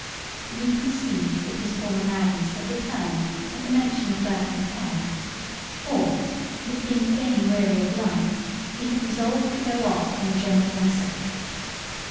We conceived that his former madness had returned at the mention of Burke and Hare; or that, being again weary of life, he had resolved to go off in a general massacre.